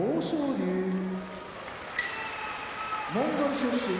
龍モンゴル出身